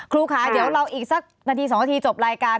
ครูค่ะเดี๋ยวเราอีกสักนาที๒นาทีจบรายการ